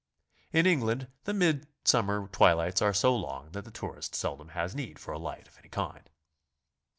In England the mid summer twilights are so long that the tourist seldom has need for a light of any kind.